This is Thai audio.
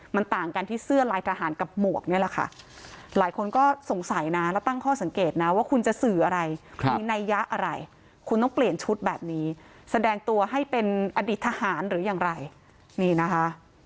มันต่างกันที่เสื้อลายทหารกับหมวกนี่แหละค่ะหลายคนก็สงสัยนะแล้วตั้งข้อสังเกตนะว่าคุณจะสื่ออะไรมีนัยยะอะไรคุณต้องเปลี่ยนชุดแบบนี้แสดงตัวให้เป็นอดีตทหารหรืออย่างไรนี่นะคะ